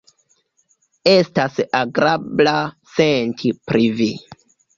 Estas agrabla senti pri Vi.